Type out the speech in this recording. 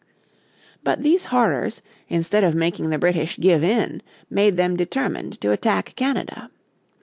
But these horrors instead of making the British give in made them determined to attack Canada.